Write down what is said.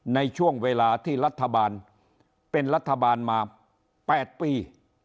ในช่วงเวลาที่รัฐบาลเป็นรัฐบาลมา๘ปี